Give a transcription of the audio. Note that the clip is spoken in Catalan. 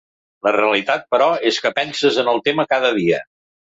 La realitat però, és que penses en el tema cada dia.